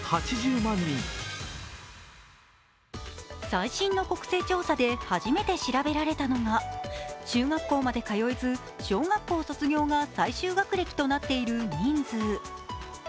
最新の国勢調査で初めて調べられたのが中学校まで通えず小学校卒業が最終学歴となっている人数。